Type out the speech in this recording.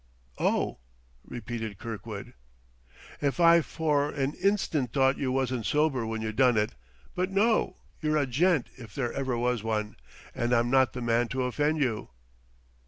"Oh," repeated Kirkwood. "If I for a ninstant thought you wasn't sober when you done it.... But no; you're a gent if there ever was one, and I'm not the man to offend you."